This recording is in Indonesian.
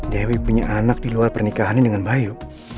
dewi punya anak di luar pernikahannya dengan bayu